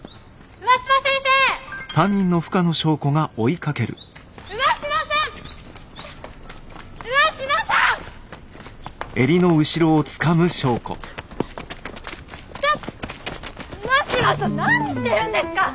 上嶋さん何してるんですか！